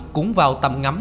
cũng vào tâm ngắm